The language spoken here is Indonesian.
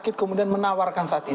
kita sudah mencari